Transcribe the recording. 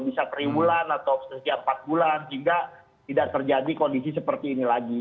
bisa peribulan atau setiap empat bulan sehingga tidak terjadi kondisi seperti ini lagi